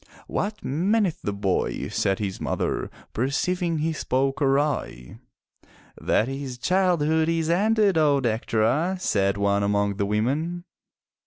"What meaneth the boy?" said his mother, perceiving he spoke awry. "That his childhood is ended, O Dectera," said one among the women.